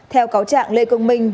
theo cáo trạng lê công minh